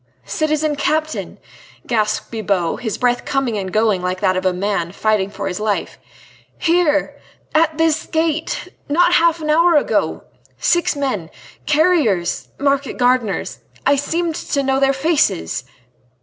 "Citizen Captain," gasped Bibot, his breath coming and going like that of a man fighting for his life. "Here!... at this gate!... not half an hour ago ... six men ... carriers ... market gardeners ... I seemed to know their faces...."